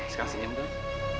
sekang senyum dulu